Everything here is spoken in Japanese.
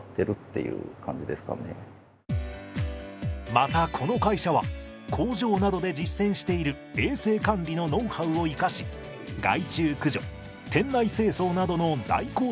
またこの会社は工場などで実践している衛生管理のノウハウを生かし害虫駆除店内清掃などの代行サービスも提供しています。